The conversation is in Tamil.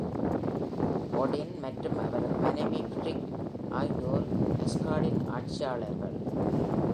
ஒடின் மற்றும் அவரது மனைவி ஃப்ரிக் ஆகியோர் அஸ்கார்டின் ஆட்சியாளர்கள்.